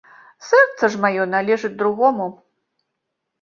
Сэрца ж маё належыць другому.